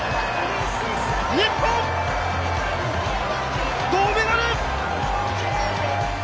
日本、銅メダル！